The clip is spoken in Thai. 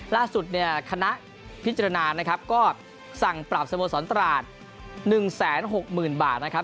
ล่าสุดเนี่ยคณะพิจารณานะครับก็สั่งปราบสมสรรตราชหนึ่งแสนหกหมื่นบาทนะครับ